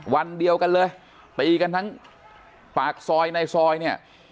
วันเดียวกันเลยตีกันทั้งปากซอยในซอยเนี่ย